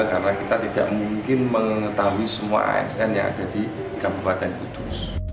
karena kita tidak mungkin mengetahui semua asn yang ada di kabupaten kudus